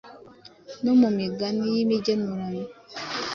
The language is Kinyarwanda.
no mu migani y’imigenurano.